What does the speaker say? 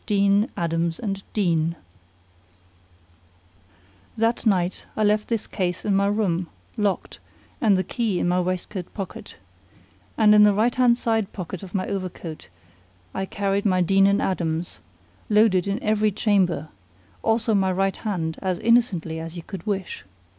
Deane, Adams and Deane! That night I left this case in my room, locked, and the key in my waistcoat pocket; in the right hand side pocket of my overcoat I carried my Deane and Adams, loaded in every chamber; also my right hand, as innocently as you could wish.